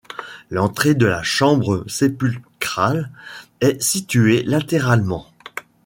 L'entrée de la chambre sépulcrale est située latéralement.